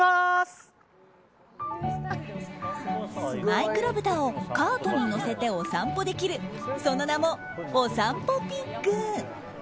マイクロブタをカートに乗せてお散歩できるその名も、おさんぽぴっぐ。